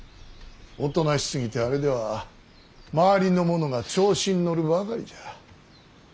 おとなしすぎてあれでは周りの者が調子に乗るばかりじゃ。